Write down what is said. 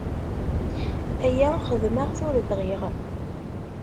Aya xedmeɣ-t ur bɣiɣ.